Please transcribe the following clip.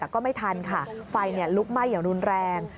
แต่ก็ไม่ทันค่ะไฟลุกไหม้อย่างรุนแรง